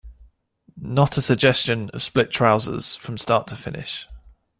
Not a suggestion of split trousers from start to finish.